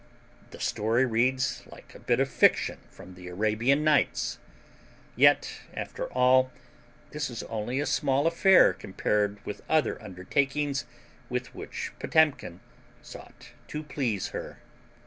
The story reads like a bit of fiction from the Arabian Nights. Yet, after all, this was only a small affair compared with other undertakings with which Potemkin sought to please her.